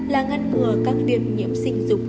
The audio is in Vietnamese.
là ngăn ngừa các viêm nhiễm sinh dục